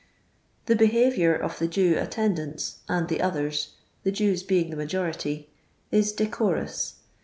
The behaviour of the Jew attendants, and the others, the Jews being the majority, is de corous.